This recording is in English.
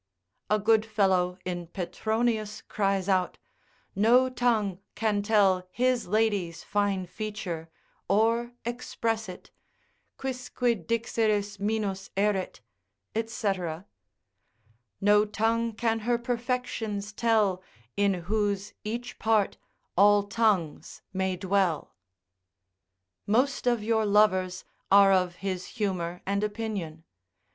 A good fellow in Petronius cries out, no tongue can tell his lady's fine feature, or express it, quicquid dixeris minus erit, &c. No tongue can her perfections tell, In whose each part, all tongues may dwell. Most of your lovers are of his humour and opinion.